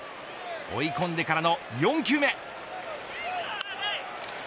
追い込んでからの４球目。